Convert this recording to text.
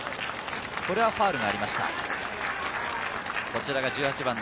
これはファウルがありました。